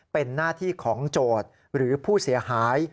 เป็นหน้าที่ของโจทย์หรือผู้เสียหาย